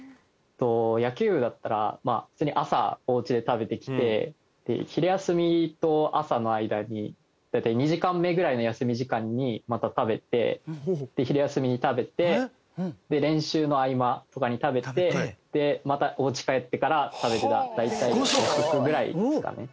野球部だったら普通に朝お家で食べてきて昼休みと朝の間に大体２時間目ぐらいの休み時間にまた食べてで昼休みに食べて練習の合間とかに食べてまたお家帰ってから食べてた大体５食ぐらいですかね。